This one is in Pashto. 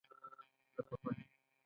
له پخواني امیر سره یې نېږدې اړیکې درلودې.